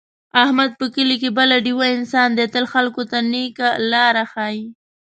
احمد په کلي کې بله ډېوه انسان دی، تل خلکو ته نېکه لاره ښي.